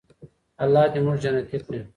الله دې موږ جنتي کړي.